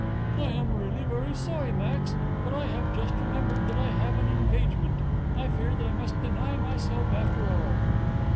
"I am really very sorry, Max, but I have just remembered that I have an engagement. I fear that I must deny myself after all."